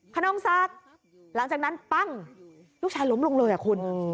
ขนองศักดิ์หลังจากนั้นปั้งลูกชายล้มลงเลยอ่ะคุณ